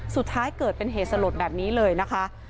สุดท้ายเกิดเป็นเหตุสลดแบบนี้เลยนะคะ